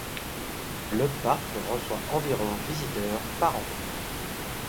Le parc reçoit environ visiteurs par an.